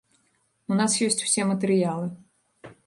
У нас ёсць усе матэрыялы.